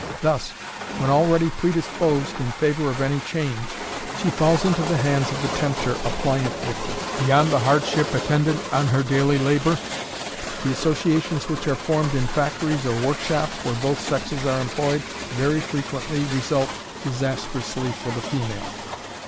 Thus, when already predisposed in favor of any change, she falls into the hands of the tempter a pliant victim. Beyond the hardship attendant on her daily labor, the associations which are formed in factories or workshops where both sexes are employed very frequently result disastrously for the female.